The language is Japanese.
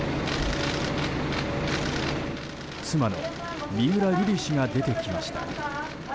妻の三浦瑠麗氏が出てきました。